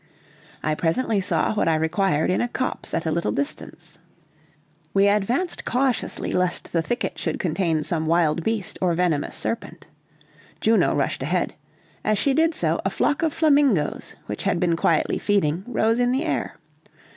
I presently saw what I required in a copse at a little distance. We advanced cautiously lest the thicket should contain some wild beast or venomous serpent. Juno rushed ahead; as she did so a flock of flamingoes, which had been quietly feeding, rose in the air.